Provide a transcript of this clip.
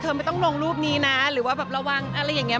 ไม่ต้องลงรูปนี้นะหรือว่าแบบระวังอะไรอย่างนี้